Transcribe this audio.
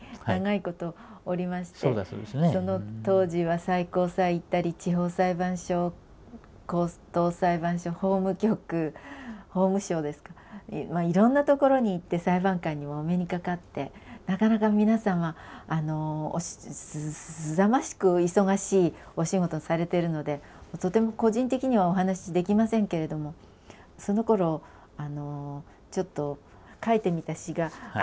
その当時は最高裁行ったり地方裁判所高等裁判所法務局法務省ですかまあいろんな所に行って裁判官にもお目にかかってなかなか皆様すさまじく忙しいお仕事されてるのでとても個人的にはお話しできませんけれどもそのころちょっと書いてみた詩があるんです。